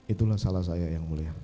itulah salah saya yang mulia